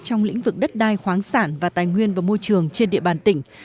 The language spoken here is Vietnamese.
trong lĩnh vực đất đai khoáng sản và tài nguyên và môi trường trên địa bàn tỉnh